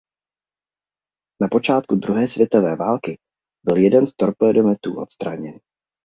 Na počátku druhé světové války byl jeden z torpédometů odstraněn.